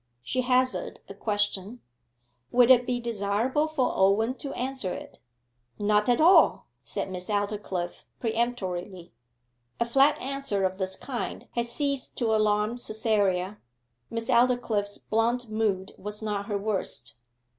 She hazarded a question: 'Would it be desirable for Owen to answer it?' 'Not at all,' said Miss Aldclyffe peremptorily. A flat answer of this kind had ceased to alarm Cytherea. Miss Aldclyffe's blunt mood was not her worst.